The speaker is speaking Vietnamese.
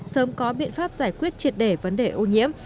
sớm có biện pháp giải quyết triệt để vấn đề ô nhiễm